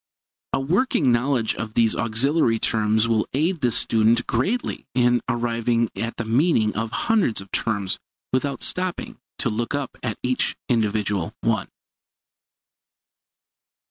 A working knowledge of these auxiliary terms will aid the student greatly in arriving at the meaning of hundreds of terms without stopping to look up each individual one.